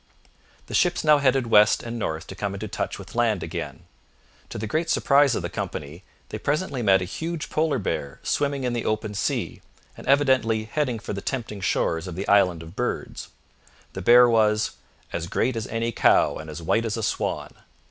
The ships now headed west and north to come into touch with land again. To the great surprise of the company they presently met a huge polar bear swimming in the open sea, and evidently heading for the tempting shores of the Island of Birds. The bear was 'as great as any cow and as white as a swan.'